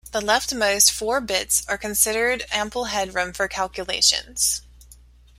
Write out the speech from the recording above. The leftmost four bits are considered ample headroom for calculations.